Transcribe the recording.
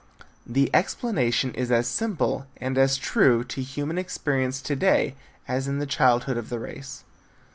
The explanation is as simple and as true to human experience to day as in the childhood of the race.